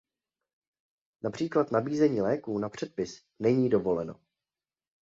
Například nabízení léků na předpis není dovoleno.